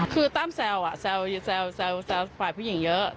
คือตั้มแซวฝ่ายผู้หญิงเยอะ